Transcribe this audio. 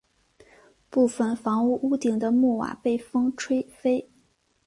部分房屋屋顶的木瓦被风吹飞。